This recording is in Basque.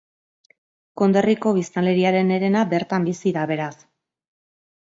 Konderriko biztanleriaren herena bertan bizi da beraz.